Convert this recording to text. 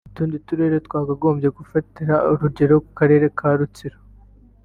“Utundi turere twakagombye gufatira urugero ku karere ka Rutsiro